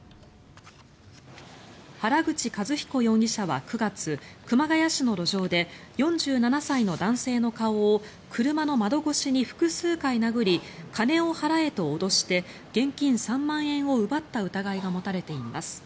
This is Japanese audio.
原口一彦容疑者は９月熊谷市の路上で４７歳の男性の顔を車の窓越しに複数回殴り金を払えと脅して現金３万円を奪った疑いが持たれています。